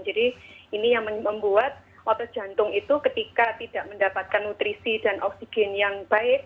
jadi ini yang membuat otot jantung itu ketika tidak mendapatkan nutrisi dan oksigen yang baik